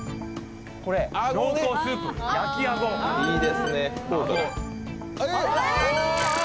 これ濃厚スープ焼きあごいいですねえっ？